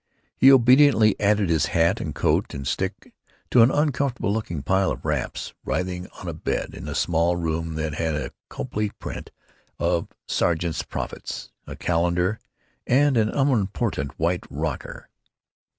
He obediently added his hat and coat and stick to an uncomfortable looking pile of wraps writhing on a bed in a small room that had a Copley print of Sargent's "Prophets," a calendar, and an unimportant white rocker.